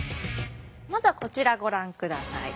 まずはこちらご覧ください。